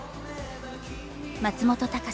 松本隆